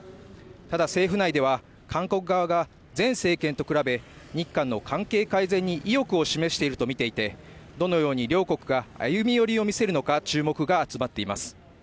ただ、政府内では韓国側が前政権と比べ日韓の関係改善に意欲を示しているとみていてどのように両国が歩み寄りをみせるのか注目が集まっています。